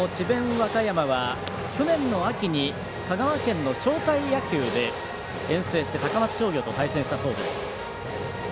和歌山は、去年の秋に香川県の招待野球で遠征して高松商業と対戦したそうです。